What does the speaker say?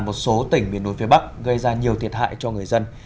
một số tỉnh miền núi phía bắc gây ra nhiều thiệt hại cho người dân